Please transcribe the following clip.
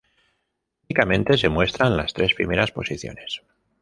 Únicamente se muestran las tres primeras posiciones.